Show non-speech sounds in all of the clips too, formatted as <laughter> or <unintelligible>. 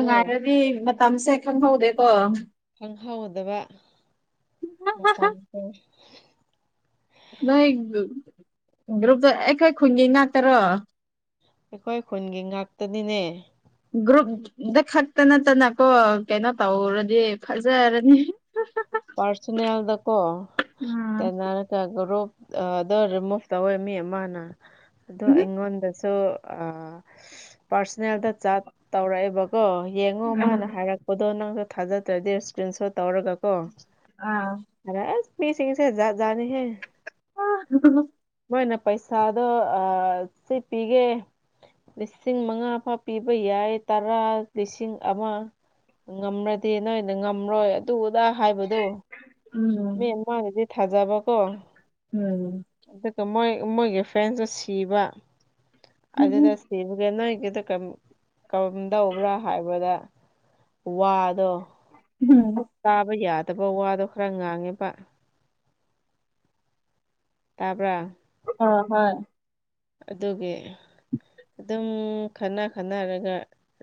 ꯭ꯔꯣ ꯃꯇꯝꯁꯦ ꯈꯪꯍꯧꯗꯦꯀꯣ ꯈꯪꯍꯧꯗꯕ ꯃꯇꯝꯁꯦ ꯅꯣꯏ ꯒ꯭ꯔꯨꯞꯇ ꯑꯩꯈꯣꯏ ꯈꯨꯟꯒꯤ ꯉꯥꯛꯇꯔꯣ ꯑꯩꯈꯣꯏ ꯈꯨꯟꯒꯤ ꯉꯥꯛꯇꯅꯤꯅꯦ ꯭ꯒ꯭ꯔꯨꯞ ꯗ ꯈꯛꯇ ꯅꯠꯇꯅꯀꯣ ꯀꯩꯅꯣ ꯇꯧꯔꯗꯤ ꯐꯖꯔꯅꯤ ꯄꯥꫪꯁꯅꯦꯜꯗꯀꯣ ꯎꯝ ꯇꯥꯏꯅ ꯇ ꯒꯨꯞꯗ ꯔꯤꯃꯨꯚ ꯇꯧꯋꯦ ꯃꯤ ꯑꯃꯅ ꯑꯗꯣ ꯑꯩꯉꯣꯟꯗꯁꯨ ꯁꯨ ꯑ ꯄꯥꫪꯁꯣꯅꯦꯜꯗ ꯆꯥꯠ ꯇꯧꯔꯛꯑꯦꯕꯀꯣ ꯌꯦꯡꯉꯣ ꯃꯥꯅ ꯍꯥꯏꯔꯛ ꯑꯣꯗꯣ ꯅꯪꯁꯨ ꯊꯥꯖꯗ꯭ꯔꯗꯤ ꯏꯁꯀ꯭ꯔꯤꯟ ꯁꯣꯠ ꯇꯧꯔꯒ ꯀꯣ ꯑꯥ ꯑꯗ ꯑꯁ ꯃꯤꯁꯤꯡꯁꯦ ꯖꯥꯠ ꯖꯥꯠꯅꯤꯍꯦ <unintelligible> ꯑꯩꯈꯣꯏꯅ ꯄꯩꯁꯥꯗꯣ ꯑ ꯁꯤ ꯄꯤꯒꯦ ꯂꯤꯁꯤꯡ ꯃꯉꯥ ꯐꯥꯎ ꯄꯤꯕ ꯌꯥꯏ ꯇꯔꯥ ꯂꯤꯁꯤꯡ ꯑꯃ ꯉꯝꯔꯗꯤ ꯅꯣꯏꯅ ꯉꯝꯔꯣꯏ ꯑꯗꯨꯗ ꯍꯥꯏꯕꯗꯣ ꯃꯤ ꯎꯝ ꯃꯥꯅꯗꯤ ꯊꯥꯖꯕ ꯀꯣ ꯎꯝ ꯑꯗꯨꯒ ꯃꯣꯏ ꯃꯣꯏꯒꯤ ꯐꯦꯟꯁꯨ ꯁꯤꯕ ꯑꯗꯨꯗ ꯁꯤꯕꯖꯦ ꯅꫭꯒꯤꯗꫭ ꯀꯔꯝ ꯀꯔꯝꯗꯧꯕ꯭ꯔꯥ ꯍꯥꯏꯕꯗ ꯋꯥꯗꫭ <unintelligible> ꯇꯥꯕ ꯌꯥꯗꯕ ꯋꯥꯗꯣ ꯈꯔ ꯉꯥꯡꯉꯦꯕ ꯇꯥꯕ꯭ꯔꯥ ꯑ ꯍꯣꯏ ꯑꯗꯨꯒꯤ ꯑꯗꯨꯝ ꯈꯟꯅ ꯈꯟꯅꯔꯒ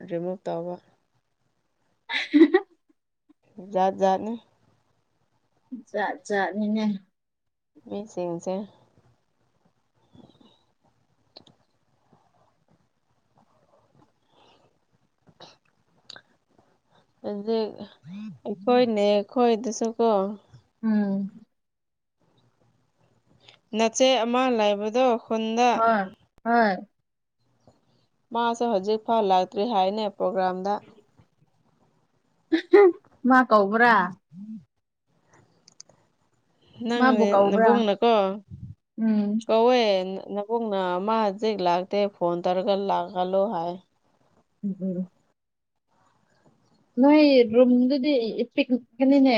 ꯔꯤꯃꯨꯚ ꯇꯧꯕ <unintelligible> ꯖꯥꯠꯖꯥꯠꯅꯤ ꯖꯥꯠ ꯖꯥꯠꯅꯤꯅꯦ ꯃꯤꯁꯤꯡꯤꯡꯁꯦ ꯑꯗꯨ ꯑꯩꯈꯣꯏꯅꯦ ꯑꯩꯈꯣꯏꯗꯁꯨꯀꯣ ꯎꯝ ꯅꯆꯦꯠ ꯑꯃ ꯂꯩꯕꯗꯣ ꯈꯨꯟꯗ ꯍꫭꯏ ꯍꯣꯏ ꯃꯥꯁꯦ ꯍꯧꯖꯤꯛ ꯐꯥꯎ ꯂꯥꯛꯇ꯭ꯔꯤ ꯍꯥꯏꯅꯦ ꯄ꯭ꯔꯣꯒ꯭ꯔꯥꯝꯗ <inaudible> ꯃꯥ ꯀꯧꯕ꯭ꯔꯥ ꯃꯥꯕꯨ ꯅꯪꯅꯦ ꯀꯧꯕ꯭ꯔꯥ ꯅꯕꯨꯡꯅꯀꯣ ꯎꯝ ꯀꯧꯋꯦ ꯄꯨꯡꯅ ꯃꯥ ꯍꯧꯖꯤꯛ ꯂꯥꯛꯇꯦ ꯐꯣꯟ ꯇꯧꯔꯒ ꯂꯥꯛꯍꯥꯜꯂꯣ ꯍꯥꯏ ꯎꯝ ꯎꯝ ꯅꯣꯏ ꯔꯨꯝꯗꯨꯗꯤ ꯢꯄꯤꯛ ꯄꯤꯛꯄꯅꯤꯅꯦ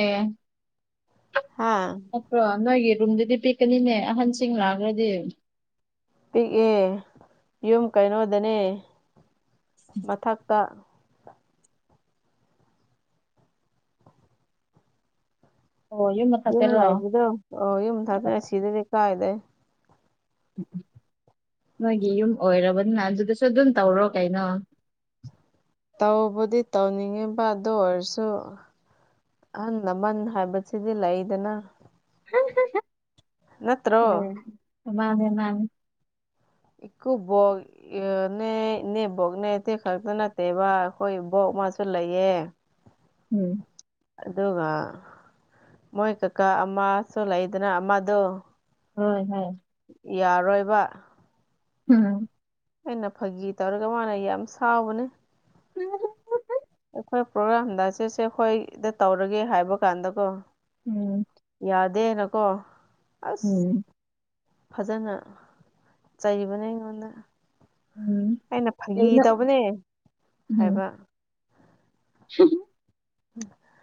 ꯍꯥꯥ ꯅꯠꯇ꯭ꯔꯣ ꯅꯣꯏꯒꯤ ꯔꯨꯝꯗꯨꯗꯤ ꯄꯤꯛꯀꯅꯤꯅꯦ ꯑꯍꯟꯁꯤꯡ ꯂꯥꯛꯔꯗꯤ ꯄꯤꯛꯑꯦ ꯌꯨꯝ ꯀꯩꯅꯣꯗꯅꯦ ꯃꯊꯛꯇ ꯑꯣ ꯌꯨꯝ ꯃꯊꯛꯇꯔꯣ ꯂꯥꯛꯕꯗꯣ ꯑꯣ ꯌꯨꯝ ꯊꯥꯗꯅ ꯁꯤꯗꯗꯤ ꯀꯥꯏꯗꯩ ꯅꯣꯏꯒꯤ ꯌꯨꯝ ꯑꯣꯏꯔꯕꯅꯤꯅ ꯑꯗꯨꯗꯁꯨ ꯑꯗꯨꯝ ꯇꯧꯔꯣ ꯀꯩꯅꯣ ꯇꯧꯕꯨꯗꯤ ꯇꯧꯅꯤꯡꯉꯤꯕ ꯑꯗꯨ ꯑꯣꯏꯔꯁꯨ ꯑꯍꯟ ꯂꯃꯟ ꯍꯥꯏꯕꯁꯤꯗꯤ ꯂꯩꯗꯅ ꯅꯠꯇ꯭ꯔꯣ ꯃꯥꯅꯦ ꯃꯥꯅꯦ ꯏꯀꯨꯄꯣꯛ ꯑꯦ ꯅꯦ ꯏꯅꯦ ꯕꯣꯛꯅꯦ ꯏꯇꯦ ꯈꯛꯇ ꯅꯠꯇꯦꯕ ꯑꯩꯈꯣꯏ ꯕꯣꯛ ꯃꯥꯁꯨ ꯂꯩꯌꯦ ꯎꯝ ꯑꯗꯨꯒ ꯃꯣꯏ ꯀꯀꯥ ꯑꯃꯁꯨ ꯂꯩꯗꯅ ꯑꯃꯗꯣ ꯍꯣꯏ ꯍꯣꯏ ꯌꯥꯔꯣꯏꯕ ꯎꯝ ꯑꯩꯅ ꯐꯥꯒꯤ ꯇꯧꯔꯒ ꯃꯥꯅ ꯌꯥꯝ ꯁꯥꯎꯕꯅꯦ ꯀ <inaudible> ꯑꯩꯈꯣꯏ ꯄ꯭ꯔꯣꯒꯥ꯭ꯔꯥꯝꯗ ꯆꯦꯁꯦ ꯑꯩꯈꯣꯏꯗ ꯇꯧꯔꯒꯦ ꯍꯥꯏꯕ ꯀꯥꯟꯗꯀꯣ ꯎꯝ ꯌꯥꯗꯦꯅꯀꯣ ꯑꯁ ꯎꯝ ꯐꯖꯅ ꯆꯩꯕꯅꯦ ꯑꯩꯉꯣꯟꯗ ꯎꯝ ꯑꯩꯅ ꯐꯥꯒꯤ ꯀꯩꯅꯣ ꯇꯧꯕꯅꯦ ꯎꯝ ꯍꯥꯏꯕ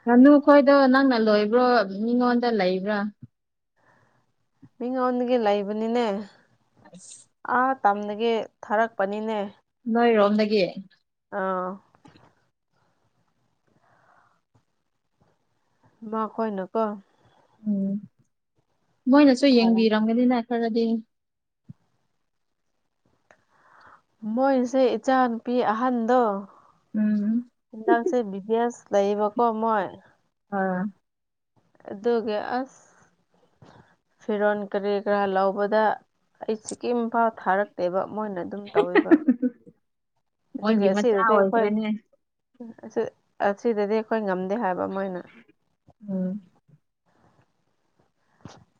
ꯉꯥꯅꯨ ꯈꯣꯏꯗꯣ ꯅꯪꯅ ꯂꯣꯏꯕ꯭ꯔꯣ ꯃꯤꯉꯣꯟꯗ ꯂꯩꯕ꯭ꯔꯥ ꯃꯤ ꯑꯣꯟꯗꯒꯤ ꯂꯩꯕꯅꯤꯅꯦ ꯑꯁ ꯑꯥ ꯇꯝꯗꯒꯤ ꯊꯥꯔꯛꯄꯅꯤꯅꯦ ꯅꯣꯏ ꯔꯣꯝꯗꯒꯤ ꯑꯥꯎ ꯢꯃꯥ ꯈꯣꯏꯅꯀꯣ ꯎꯝ ꯃꯣꯏꯅꯁꯨ ꯊꯥꯔꯛ ꯌꯦꯡꯕꯤꯔꯝꯒꯅꯤꯅ ꯈꯔꯗꯤ ꯃꯣꯏꯅꯁꯨ ꯏꯆꯥ ꯅꯨꯨꯄꯤ ꯑꯍꯟꯗꯣ ꯎꯝ ꯍꯥꯟꯗꯥꯛꯁꯤ ꯕꯤꯁ ꯂꯩꯕ ꯀꯣ ꯃꯣꯏ ꯑꯥ ꯑꯗꯨꯒꯤ ꯑꯁ ꯐꯤꯔꯣꯜ ꯀꯔꯤ ꯀꯔꯥ ꯂꯧꯕꯗ ꯑꯩ ꯁꯤꯀꯤ ꯏꯝꯐꯥꯜ ꯊꯥꯔꯛꯇꯦꯕ ꯃꯣꯏꯅ ꯑꯗꯨꯝ ꯇꯧꯋꯦꯕ ꯑꯗꯨꯒꯤ ꯃꯣꯏꯒꯤ ꯃꯆꯥ ꯑꯁꯤꯗꯗꯤ ꯑꯩꯈꯣꯏ ꯑꯣꯏꯈ꯭ꯔꯦꯅꯦ ꯑꯁꯤꯗꯗꯤ ꯑꯩꯈꯣꯏ ꯉꯝꯗꯦ ꯍꯥꯏꯕ ꯃꯣꯏꯅ ꯎꯝ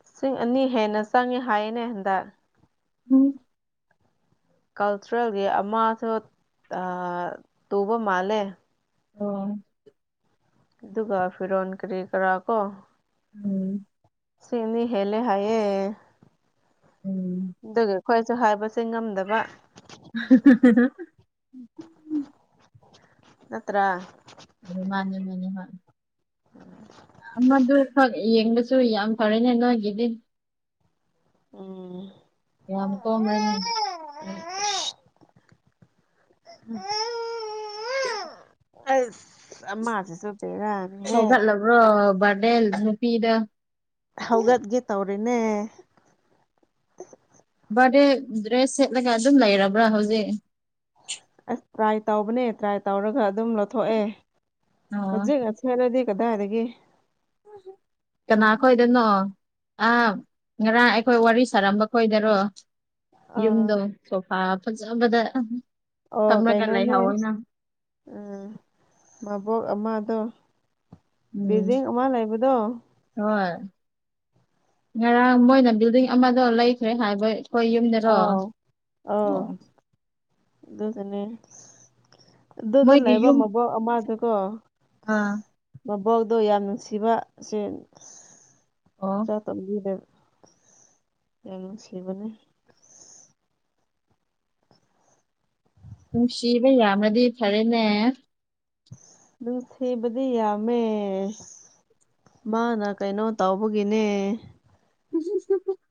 ꯂꯤꯁꯤꯡ ꯑꯅꯤ ꯍꯦꯟꯅ ꯆꯪꯉꯦ ꯍꯥꯏꯌꯦꯅꯦ ꯍꯟꯗꯥꯛ ꯎꯝ꯫ ꯀꯜꯇ꯭ꯔꯥꯒꯤ ꯑꯃꯁꯨ ꯇꯨꯕ ꯃꯥꯜꯂꯦ꯫ ꯍꯣꯢ ꯑꯗꯨꯒ ꯐꯤꯔꯣꯟ ꯀꯔꯤ ꯀꯔꯥ ꯀꯣ꯫ ꯎꯝ꯫ ꯁꯤꯅꯤ ꯍ‌ꯦꯜꯂ‌ꯦ ꯍꯥꯏꯌꯦ ꯎꯝ ꯑꯗꯨꯒ꯫ ꯑꯩꯈꯣꯏꯁꯨ ꯍꯥꯏꯕꯁꯦ ꯉꯝꯗꯕ <unintelligible> ꯅꯠꯇ꯭ꯔ ꯑꯗꯨ ꯃꯥꯅꯤ ꯃꯥꯅꯦ ꯃꯥꯅꯦ <unintelligible> ꯃꯗꯨ ꯈꯛ ꯌꯦꯡꯕꯁꯨ ꯌꯥꯝ ꯐꯔꯦꯅꯦ ꯅꯣꯏꯒꯤꯗꯤ ꯎꯝ꯫ ꯌꯥꯝ ꯀꯣꯝꯔ‌ꯦꯅ‌ꯦ꯫ ꯫ <inaudible> ꯫ <inaudible> ꯑꯩ ꯑꯃꯥꯁꯨ ꯆꯪꯗꯦꯗ꯫ ꯍꯧꯒꯠꯂꯕ꯭ꯔꯣ ꯕꯔꯗ‌ꯦꯜ ꯅꯨꯄꯤꯗꯣ ꯍꯧꯒꯠꯀ‌ꯦ ꯇꯧꯔ‌ꯦꯅꯦ꯫ ꯕꯥꯔꯗꯦ ꯗ꯭ꯔꯦꯁ ꯁꯦꯠꯂꯒ ꯑꯗꯨꯝ ꯂꯩꯔꯕ꯭ꯔꯥ ꯍꯧꯖꯤꯛ꯫ ꯑꯁ ꯇ꯭ꯔꯥꯏ ꯇꯧꯕꯅꯦ ꯇ꯭ꯔꯥꯏ ꯇꯧꯔꯒ ꯑꯗꯨꯝ ꯂꯧꯊꯣꯛꯑꯦ ꯑꯣ ꯍꯧꯖꯤꯛ꯫ ꯁ‌ꯦꯠꯂꯗꯤ ꯀꯗꯥ ꯗꯒꯤ꯫ ꯀꯅꯥ ꯈꯣꯏꯗꯅꯣ꯫ ꯑꯥ ꯉꯔꯥꯡ ꯑꯩꯈꯣꯏ ꯋꯥꯔꯤ ꯁꯥꯔꯝꯕ ꯀꯣꯏꯗꯔꯣ꯫ ꯑꯥ ꯌꯨꯝꯗꯣ ꯁꯣꯐꯥ ꯐꯖꯕꯗ ꯑꯣ ꯊꯝꯂꯒ ꯀꯩꯅꯣꯅꯦ ꯂꯩꯍꯧ ꯏ ꯅꯪ꯫ ꯎꯝ ꯃꯕꯣꯛ ꯑꯃꯗꯣ ꯎꯝ ꯕꯤꯜꯗꯤꯡ ꯑꯃ ꯂꯩꯕꯗꯣ꯫ ꯍꯣꯏ ꯉꯔꯥꯡ ꯃꯣꯏꯅ ꯕꯤꯜꯗꯤꯡ ꯑꯃꯗꯣ ꯂꯩꯈ꯭ꯔꯦ ꯍꯥꯏꯕꯩ꯫ ꯑꯥꯎ ꯑꯥꯎ ꯑꯗꯨꯅ‌ꯦ꯫ ꯑꯗꯨꯗ ꯃꯣꯏꯒꯤ ꯂꯩꯕ ꯌꯨꯝ ꯃꯕꯣꯛ ꯑꯃꯗꯨꯀꯣ꯫ ꯑꯥ꯫ ꯃꯕꯣꯛꯗꯣ ꯌꯥꯝ ꯅꯨꯡꯁꯤꯕꯁꯦ꯫ ꯑꯣ꯫ ꯆꯥ ꯇꯝꯕꯤꯗꯦ ꯌꯥꯝ ꯅꯨꯡꯁꯤꯕꯅꯦ꯫ ꯅꯨꯡꯁꯤꯕ ꯌꯥꯝꯃꯗꯤ ꯐꯔꯦꯅꯦ꯫ ꯅꯨꯡꯁꯤꯕꯗꯤ ꯌꯥꯝꯃ‌ꯦ꯫ ꯃꯥꯅ ꯀꯩꯅꯣ ꯇꯧꯕꯒꯤꯅꯦ꯫ <unintelligible>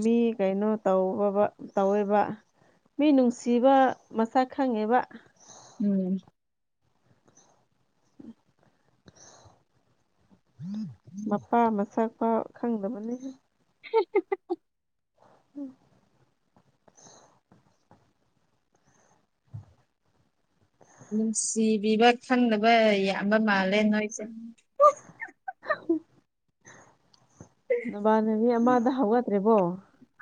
ꯃꯤ ꯀꯩꯅꯣ ꯇꯧꯕꯒ ꯇꯧꯋ‌ꯦꯕ꯫ ꯃꯤ ꯅꯨꯡꯁꯤꯕ ꯃꯁꯛ ꯈꯪꯉꯦꯕ꯫ ꯎꯝ꯫ ꯃꯄꯥ ꯃꯁꯛꯄꯥꯎ ꯈꯪꯗꯕꯅꯤꯍ‌ꯦ꯫ <unintelligible> ꯎꯝ꯫ ꯅꯨꯡꯁꯤꯕꯤꯕ ꯈꯪꯗꯕ ꯌꯥꯝꯕ ꯃꯥꯜꯂꯦ ꯅꯣꯏꯁꯦ꯫ ꯅꯥꯕꯅꯤ꯫ ꯃꯤ ꯑꯃꯗ ꯍꯧꯒꯠꯇ꯭ꯔꯤꯕꯣ꯫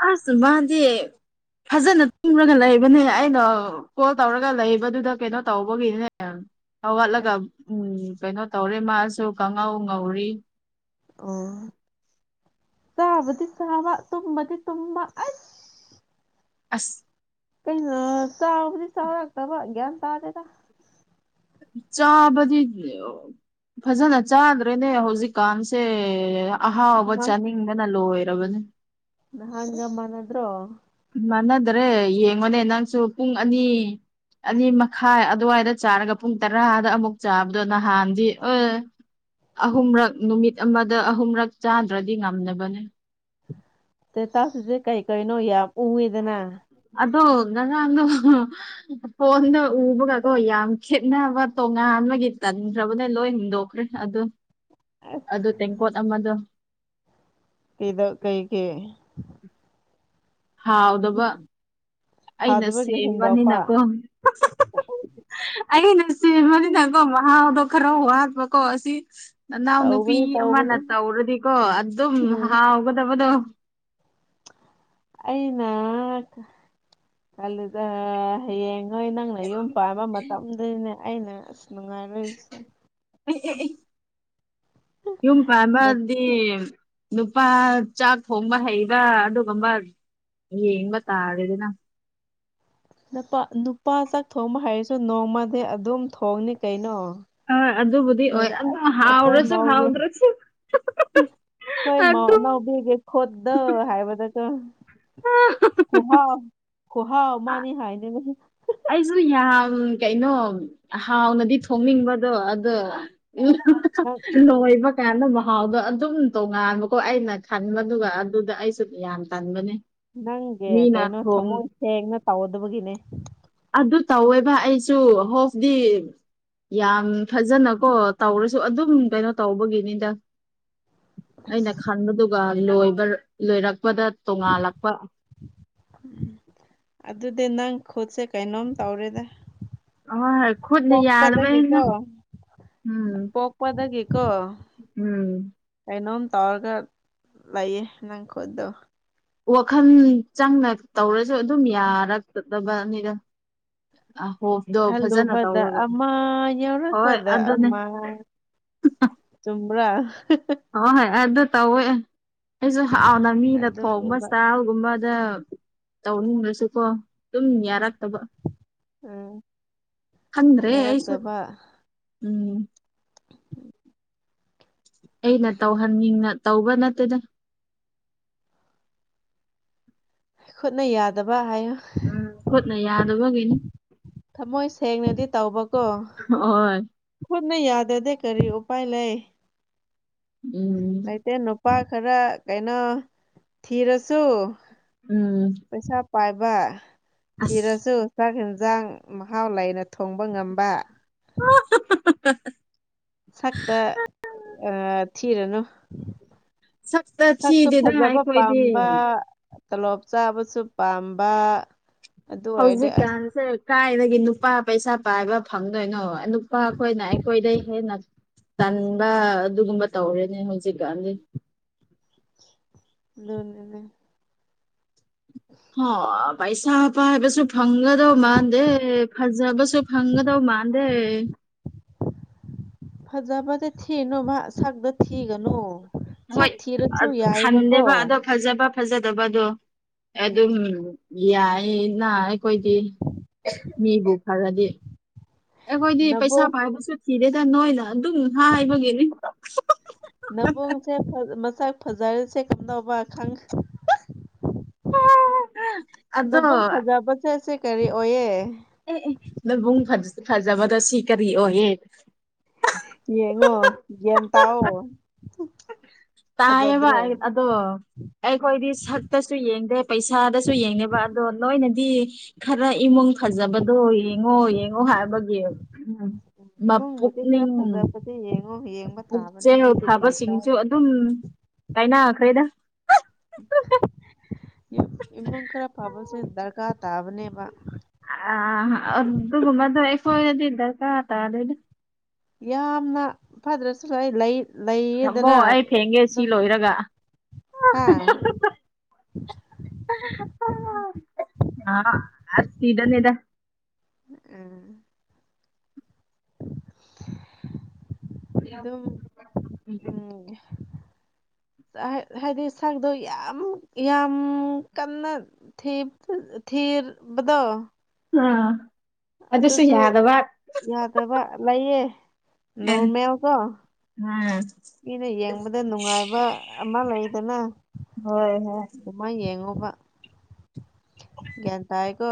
ꯑꯁ ꯃꯥꯗꯤ ꯐꯖꯅ ꯇꯨꯝꯔꯒ ꯂꯩꯕꯅꯦ ꯑꯩꯅ꯫ ꯀꯣꯜ ꯇꯧꯔꯒ ꯂꯩꯕꯗꯨꯗ ꯀꯩꯅꯣ ꯇꯧꯕꯒꯤꯅꯦ꯫ ꯑꯋꯥꯠꯂꯒ ꯎꯝ ꯀꯩꯅꯣ ꯇꯧꯔꯦ ꯃꯥꯁꯨ ꯈꯪꯉꯧ ꯉꯧꯔꯤ ꯑꯣ ꯆꯥꯕꯗꯤ ꯆꯥꯕ ꯇꯨꯝꯃꯗꯤ ꯇꯨꯝꯃ ꯑ ꯑꯁ ꯀꯩꯅ ꯆꯥꯕꯗꯤ ꯆꯥꯎ ꯂꯥꯛꯗꯕꯒ ꯇꯥꯗꯗ ꯒꯥꯌꯟ ꯇꯥꯗꯦꯗ ꯆꯥꯕꯗꯤ ꯐꯖꯅ ꯆꯥꯗ꯭ꯔꯦꯅꯦ ꯍꯧꯖꯤꯛꯀꯥꯟꯁꯦ ꯑꯍꯥꯎꯕ ꯅꯍꯥꯟ ꯆꯥꯅꯤꯡꯕꯅ ꯂꯣꯏꯔꯕꯅꯤ ꯅꯥꯍꯟꯒ ꯃꯥꯟꯅꯗ꯭ꯔꯣ ꯃꯥꯟꯅꯗ꯭ꯔꯦ ꯌꯦꯡꯉꯣꯅꯦ ꯅꯪꯁꯨ ꯄꯨꯡ ꯑꯅꯤ꯫ ꯑꯅꯤ ꯃꯈꯥꯏ ꯑꯗꯨꯋꯥꯏꯗ ꯆꯥꯔꯒ ꯄꯨꯡ ꯇꯔꯥꯗ ꯑꯃꯨꯛ ꯆꯥꯕꯗꯣ ꯅꯍꯥꯟꯗꯤ ꯎ꯫ ꯑꯍꯨꯝꯔꯛ ꯅꯨꯃꯤꯠ ꯑꯃꯗ ꯑꯍꯨꯝꯔꯛ ꯆꯥꯗ꯭ꯔꯗꯤ ꯉꯝꯗꯕꯅꯦ꯫ <unintelligible> ꯇ‌ꯦꯇꯥꯁ ꯍꯨꯖꯤꯛ ꯀꯔꯤ ꯀꯔꯤꯅꯣ ꯌꯥꯝ ꯎꯏꯑ‌ꯦꯗꯅ꯫ ꯑꯗꯣ ꯉꯔꯥꯡꯗꫭ꯫ ꯐꯣꯟꯗ ꯎꯕꯒꯀꯣ ꯌꯥꯝ ꯈꯦꯠꯅꯕ ꯇꯣꯉꯥꯟꯕꯒꯤ ꯇꯟꯈ꯭ꯔꯕꯅ ꯂꯣꯏ ꯍꯨꯟꯗꯣꯛꯈ꯭ꯔꯦ꯫ ꯑꯗꯨ ꯑꯗꯨ ꯇꯦꯡꯀꯣꯠ ꯑꯃꯗꯣ꯫ ꯀꯩꯗ ꯀꯩꯒꯤ꯫ ꯍꯥꯎꯗꯕ ꯑꯩꯅ ꯍꯥꯗꯕꯒꯤ ꯍꯨꯟꯗꯄꯥ ꯁꯦꯝꯕꯅꯤꯅꯀꯣ ꯑꯩꯅ ꯁꯦꯝꯕꯅꯤꯅꯀꯣ ꯃꯍꯥꯎꯗꯣ ꯈꯔ ꯋꯥꯠꯄꯀꯣ ꯑꯁꯤ ꯅꯅꯥꯎ ꯅꯨꯄꯤ ꯇꯧꯕꯅꯤ ꯑꯃꯅ ꯇꯧꯕꯅꯤ ꯇꯧꯔꯗꯤꯀꯣ ꯑꯗꯨꯝ ꯎꯝ ꯍꯥꯎꯒꯗꯕꯗꯣ ꯑꯩꯅ ꯀꯂꯗ ꯍꯌꯦꯡ ꯅꯣꯏ ꯅꯪꯅ ꯌꯨꯝ ꯄꯥꯟ ꯃꯇꯝꯗꯅꯦ ꯑꯩꯅ ꯑꯁ ꯅꯨꯡꯉꯥꯏꯔꯣꯏꯁꯦ <unintelligible> ꯌꯨꯝ ꯄꯥꯟꯕꯥꯗꯤ ꯅꯨꯄꯥ ꯆꯥꯛ ꯊꯣꯡꯕ ꯍꯩꯕ ꯑꯗꯨꯒꯨꯝꯕ ꯌꯦꯡꯕ ꯇꯥꯔꯦꯗꯅ ꯅꯨꯄꯥ ꯅꯨꯄꯥ ꯆꯥꯛ ꯊꯣꯡꯕ ꯍꯩꯔꯁꯨ ꯅꯣꯡꯃꯗꯤ ꯑꯗꯨꯝ ꯊꯣꯡꯅꯤ ꯀꯩꯅꯣ <inaudible> ꯍꯣꯏ ꯑꯗꯨꯕꯨꯗꯤ ꯑꯣꯏ ꯑꯗꯨ ꯍꯥꯎꯔꯁꯨ ꯍꯥꯎꯗ꯭ꯔꯁꯨ ꯍꯣꯏ ꯃꯧ ꯑꯗꯨ ꯑꯅꯥꯎꯕꯤꯒꯤ ꯈꯨꯠꯗ ꯍꯥꯏꯕꯗꯀ‌ꯣ ꯈꯨꯍꯥꯎ ꯈꯨꯍꯥꯎ ꯃꯥꯅꯤ ꯍꯥꯏꯅꯦꯕ ꯑꯩꯖꯨ ꯌꯥꯝ ꯀꯩꯅꯣ ꯍꯥꯎꯅꯗꯤ ꯊꯣꯡꯅꯤꯡꯕꯗꯣ ꯑꯗꯣ ꯅꯪ <unintelligible> ꯂꯣꯏꯕꯀꯥꯟꯗ ꯃꯥ ꯃꯍꯥꯎꯗꯣ ꯑꯗꯨꯝ ꯇꯣꯉꯥꯟꯕꯀꯣ ꯑꯩꯅ ꯈꯟꯕꯗꯨꯒ ꯑꯗꯨꯗ ꯑꯩꯁꯨ ꯌꯥꯝ ꯇꯟꯕꯅꯦ ꯅꯪꯒꯤ ꯃꯤꯅ ꯀꯩꯅꯣ ꯊꯣꯡ ꯊꯃꯣꯏ ꯁꯦꯡꯅ ꯇꯧꯗꯕꯒꯤꯅꯦ ꯑꯗꯨ ꯇꯧꯋꯦꯕ ꯑꯩꯁꯨ ꯍꯣꯞꯗꯤ ꯌꯥꯝ ꯐꯖꯅꯀꯣ ꯇꯧꯔꯁꯨ ꯑꯗꯨꯝ ꯀꯩꯅꯣ ꯇꯧꯕꯒꯤꯅꯤꯗ ꯑꯩꯅ ꯈꯟꯕꯗꯨ ꯗꯨꯒ ꯂꯣꯏꯕ ꯂꯣꯏꯔꯛꯄꯗ ꯇꯣꯉꯥꯜꯂꯛꯄ ꯑꯗꯨꯗꯤ ꯅꯪ ꯈꯨꯠꯁꯦ ꯀꯩꯅꯣꯝ ꯇꯧꯔ‌ꯦꯗ ꯍꯣꯏ ꯈꯨꯠꯅ ꯌꯥꯗꯕꯅꯤꯅ ꯄꯣꯛꯄꯗꯒꯤꯀꯣ ꯎꯝ ꯄ‌ꯣꯛꯄꯗꯒꯤꯀꯣ ꯎꯝ ꯀꯩꯅꯣꯝ ꯇꯧꯔꯒ ꯂꯩꯌꯦ ꯅꯪ ꯈꯨꯠꯗ‌ꯣ ꯋꯥꯈꯜ ꯆꯪꯅ ꯇꯧꯔꯁꯨ ꯑꯗꯨꯝ ꯌꯥꯔꯛꯇ ꯇꯕꯅꯤꯗ <inaudible> ꯈꯜꯂꯨꯕꯗ ꯇꯧꯔꯒ ꯑꯝꯃ ꯍꯣꯏ ꯌꯥꯎꯔꯛꯄꯗ ꯑꯗꯨꯅꯦ ꯑꯃ ꯆꯨꯝꯕ꯭ꯔꯥ ꯍ‌ꯣ ꯍꯣꯏ ꯑꯗꯨ ꯇꯧꯋꯦ ꯑꯩꯖꯨ ꯍꯥꯎꯅ ꯃꯤꯅ ꯊꯣꯡꯕ ꯑꯗꯨꯅꯦꯕ ꯆꯥꯍꯧ ꯨꯒꯨꯝꯕꯗ ꯇꯧꯅꯤꯡꯂꯁꯨꯀꯣ ꯑꯗꯨꯝ ꯌꯥꯔꯛꯇꯕ ꯎꯝ ꯈꯟꯗ꯭ꯔꯦ ꯑꯩꯁꯨ ꯌꯥꯔꯛꯇꯕ ꯎꯝ ꯑꯩꯅ ꯇꯧꯍꯟꯅꯤꯡꯅ ꯇꯧꯕ ꯅꯠꯇ‌ꯦꯗ ꯈꯨꯠꯅ ꯌꯥꯗꯕ ꯍꯥꯏꯌꯨ ꯎꯝ ꯈꯨꯠꯅ ꯌꯥꯗꯕꯒꯤꯅꯤ ꯊꯃꯣꯏ ꯁꯦꯡꯅꯗꯤ ꯇꯧꯕꯀꯣ ꯍꯣꯏ ꯈꯨꯠꯅ ꯌꯥꯗꯗꯤ ꯀꯔꯤ ꯎꯄꯥꯏ ꯂꯩ ꯎꯝ ꯂꯩꯇꯦ ꯅꯨ ꯄꯥ ꯈꯔ ꯀꯩꯅꯣ ꯊꯤꯔꯁꯨ ꯎꯝ ꯄꯩꯁꯥ ꯄꯥꯏꯕ ꯑꯁ ꯊꯤꯔꯁꯨ ꯆꯥꯛ ꯌꯦꯟꯁꯥꯡ ꯃꯍꯥꯎ ꯂꯩꯅ ꯊꯣꯡꯕ ꯉꯝꯕ <unintelligible> ꯁꯛꯇ ꯑ ꯊꯤꯔꯅꯨ ꯁꯛꯇ ꯁꯛꯁꯨ ꯊꯤꯗꯦꯗ ꯐꯖꯕ ꯑꯩꯈꯣꯏꯗꯤ ꯄꯥꯝꯕ ꯇꯣꯂꯣꯞ ꯆꯥꯕꯁꯨ ꯄꯥꯝꯕ ꯑꯗꯨ ꯑꯣꯏꯔꯗꯤ ꯑꯁ ꯍꯧꯖꯤꯛꯀꯥꯟꯁꯦ ꯀꯥꯏꯗꯒꯤ ꯅꯨꯄꯥ ꯄꯩꯁꯥ ꯄꯥꯏꯕ ꯐꯪꯗꯣꯏꯅꯣ ꯅꯨꯄꯥ ꯑꯩꯈꯣꯏꯅ ꯑꯩꯈꯣꯏꯗꯩ ꯍꯦꯟꯅ ꯇꯟꯕ ꯑꯗꯨꯒꯨꯝꯕ ꯇꯧꯔꯦꯅꯦ ꯍꯧꯖꯤꯛꯀꯥꯟꯗꯤ ꯂꯅꯦꯅꯦ <inaudible> ꯍꯣ ꯄꯩꯁꯥ ꯄꯥꯢꯕꯁꯨ ꯐꯪꯒꯗꯧ ꯃꯥꯥꯟꯗꯦ ꯐꯖꯕ ꯁꯨ ꯍꯪꯒꯗꯕ ꯃꯥꯟꯗꯦ ꯐꯖꯕꯗ ꯊꯤꯅꯨ ꯃꯥ ꯁꯛꯗ ꯊꯤꯒꯅꯨ ꯁꯛ ꯍꯣꯏ ꯑ ꯊꯤꯔꯁꯨ ꯌꯥꯏꯕꯀꯣ ꯈꯟꯗꯦꯕ ꯑꯗ‌ꯣ ꯐꯖꯕ ꯐꯖꯗꯕꯗꯣ ꯑꯗꯨꯝ ꯎꯝ ꯌꯥꯏꯌꯦꯅ ꯑꯩꯈꯣꯏꯗꯤ ꯃꯤꯕꯨ ꯐꯔꯗꯤ ꯑꯩꯈꯣꯏꯗꯤ ꯄꯩꯁꯥ ꯅꯕꯨꯡ ꯄꯥꯏꯕꯁꯨ ꯊꯤꯗ‌ꯦꯗ ꯅꯣꯏꯅ ꯑꯗꯨꯝ ꯍꯥꯏꯕꯒꯤꯅꯤ <unintelligible> ꯅꯕꯨꯡꯁꯦ ꯃꯁꯛ ꯐꯖꯔꯤꯁꯦ ꯀꯩꯗꯧꯕ ꯈꯪ <inaudible> ꯅꯕꯨꯡ ꯐꯖꯕꯁꯦ ꯁꯤ ꯀꯔꯤ ꯑꯣꯏꯌꯦ ꯑꯦ ꯑꯦ ꯅꯕꯨꯡ ꯐꯖꯕꯗꯣ ꯁꯤ ꯀꯔꯤ ꯑꯣꯏꯌꯦ ꯌꯦꯡꯉꯣ ꯒꯌꯥꯟ ꯇꯥꯎ ꯇꯥꯏꯌꯦꯕ ꯑꯗꯣ ꯑꯩꯈꯣꯏꯗꯤ ꯁꯛꯇꯁꯨ ꯌꯦꯡꯗꯦ ꯄꯩꯁꯥꯗꯁꯨ ꯌꯦꯡꯗꯦꯕ ꯑꯗꯣ ꯅꯣꯏꯅꯗꯤ ꯈꯔ ꯏꯃꯨꯡ ꯐꯖꯕꯗꯣ ꯌꯦꯡꯉꯣ ꯌꯦꯡꯉꯣ ꯍꯥꯏꯕꯒꯤ ꯎꯝ ꯃꯥ ꯏꯃꯨꯡꯕꯨꯗꯤ ꯈꯔ ꯄꯨꯛꯅꯤꯡ ꯐꯖꯕꯗꯤ ꯌꯦꯡꯉꯣ ꯌꯦꯡꯕ ꯇꯥꯕꯅꯦ ꯑꯗꯨꯗꯤ ꯐꯕꯁꯤꯡꯁꯨ ꯇꯔꯀꯥꯔ ꯑꯗꯨꯝ ꯀꯥꯏꯅꯈ꯭ꯔꯦꯗ ꯏꯃꯨꯛ ꯈꯔ ꯐꯕꯁꯤꯗꯤ ꯗꯔꯀꯥ ꯇꯥꯕꯅꯦꯕ ꯑꯗꯨꯒꯨꯝꯕꯗꯣ ꯑꯩꯈꯣꯢꯗꯗꯤ ꯇꯀꯥꯔ ꯇꯥꯗꯦꯗ ꯌꯥꯝꯅ ꯐꯗ꯭ꯔꯁꯨ ꯂꯩ ꯊꯝꯃꯣ ꯂꯩꯌꯦꯗꯅ ꯑꯩ ꯊꯦꯡꯉꯦ ꯁꯤ ꯑꯗꯨꯝ ꯂꯣꯏꯔꯒ ꯍꯥ ꯑ ꯑꯁꯤꯗꯅꯤꯗ ꯎꯝ ꯑꯗꯨꯝ ꯎꯝ ꯍꯥꯏꯗꯤ ꯁꯥꯛꯗꯣ ꯌꯥꯝ ꯌꯥꯝ ꯀꯟꯅ ꯊꯤ ꯊꯤꯔ ꯊꯤꯕꯗꯣ ꯑꯥꯝ ꯑꯗꯨꯁꯨ ꯌꯥꯗꯕ ꯂꯩꯌꯦ ꯑꯦ ꯅꯣꯔꯃꯦꯜꯀꯣ ꯎꯝ ꯃꯤꯅ ꯌꯦꯡꯕꯗ ꯅꯨꯡꯉꯥꯏꯕ ꯑꯃ ꯂꯩꯗꯅ ꯍꯣꯏ ꯍꯣꯏ ꯑꯗꯨꯃꯥꯏꯅ ꯌꯦꯡꯉꯨꯕ ꯒ꯭ꯌꯥꯟ ꯇꯥꯏꯀꯣ